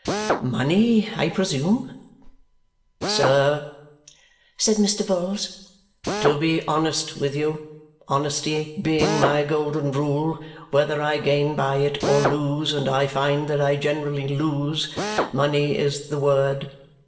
"Money, I presume?" "Sir," said Mr. Vholes, "to be honest with you (honesty being my golden rule, whether I gain by it or lose, and I find that I generally lose), money is the word.